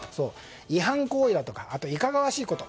違反行為だとかいかがわしいこと